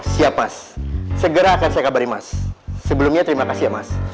siap mas segera akan saya kabari mas sebelumnya terima kasih ya mas